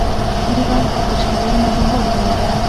د بلخ اتشڪده نوبهار نومیده